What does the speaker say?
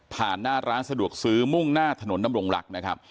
หน้าร้านสะดวกซื้อมุ่งหน้าถนนดำรงลักษณ์นะครับ